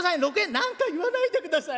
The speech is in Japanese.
「何回も言わないでください。